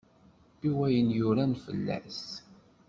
I wayen yuran fell-as?